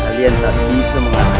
kalian tak bisa mengatakan